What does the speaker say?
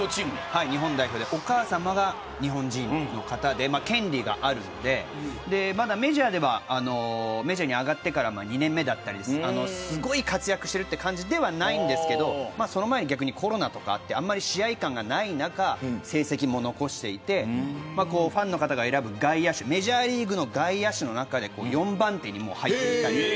お母様が日本人の方で権利があるのでまだメジャーに上がってから２年目だったりすごい活躍している感じではないんですけどその前にコロナとかがあってあんまり試合感がない中成績も残していてファンの方が選ぶ外野手メジャーリーグの外野手の中で４番手にも入っていたりとか。